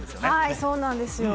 そうなんですよ。